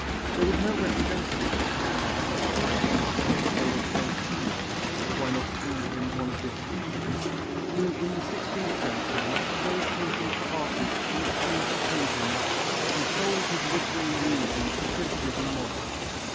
There was no representative at this time of the type of Pietro Aretino why not call him one of this species who in the sixteenth century extolled paintings for artists in exchange for paintings and sold his literary eulogies to princes and monarchs.